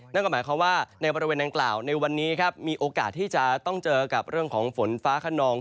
นั่นก็หมายความว่าในบริเวณดังกล่าวในวันนี้ครับมีโอกาสที่จะต้องเจอกับเรื่องของฝนฟ้าขนอง